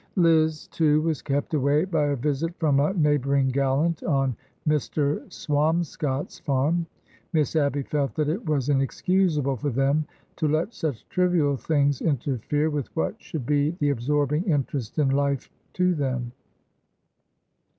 Liz, too, was kept away by a visit from a neighboring gallant on Mr. Swamscott's farm. Miss Abby felt that it was inexcusable for them to let such trivial things inter fere with what should be the absorbing interest in life to them.